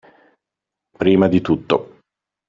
Prima di tutto.